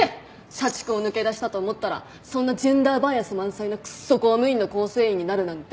社畜を抜け出したと思ったらそんなジェンダーバイアス満載のクソ公務員の構成員になるなんて。